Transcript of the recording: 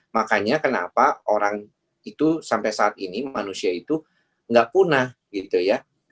makanya kenapa orang itu sampai saat ini manusia itu nggak punah gitu ya